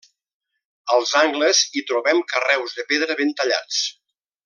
Als angles hi trobem carreus de pedra ben tallats.